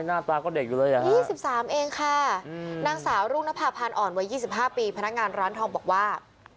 อาณาภาพผ่านอ่อนไว้๒๕ปีพนักงานร้านทองบอกว่า